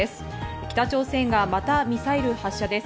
北朝鮮がまたミサイル発射です。